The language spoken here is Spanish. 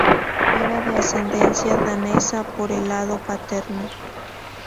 Era de ascendencia danesa por el lado paterno.